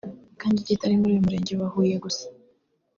kandi kitari muri uyu murenge wa Huye gusa